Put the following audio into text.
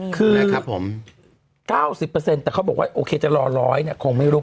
คือ๙๐แต่เขาบอกว่าโอเคจะรอ๑๐๐คงไม่รู้